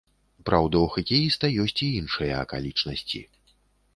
Праўда, у хакеіста ёсць і іншыя акалічнасці.